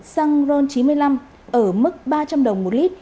xăng ron chín mươi năm ở mức ba trăm linh đồng một lít